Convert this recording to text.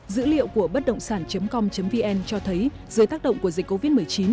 dữ liệu của bất động sản com vn cho thấy dưới tác động của dịch covid một mươi chín